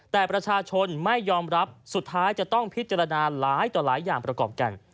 แต่ประชาชนไม่ยอมรับสุดท้ายจะต้องพิจารณาหลายต่อหลายอย่างประกอบกัน